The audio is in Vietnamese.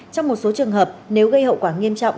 trong một số trường hợp nếu gây hậu quả nghiêm trọng